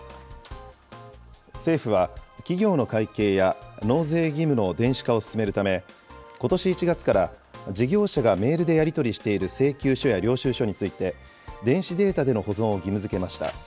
政府は企業の会計や納税義務の電子化を進めるため、ことし１月から事業者がメールでやり取りしている請求書や領収書について、電子データでの保存を義務づけました。